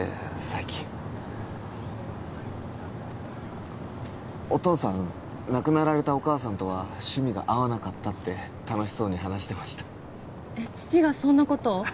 最近お父さん亡くなられたお母さんとは趣味が合わなかったって楽しそうに話してましたえっ父がそんなことを？